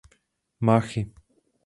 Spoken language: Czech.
Máchy.